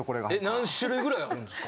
何種類ぐらいあるんですか。